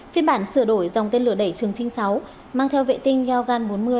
phiên bản sửa đổi dòng tên lửa đẩy trường trinh sáu mang theo vệ tinh giao gan bốn mươi